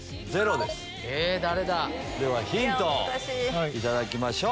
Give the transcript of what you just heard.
ではヒントを頂きましょう。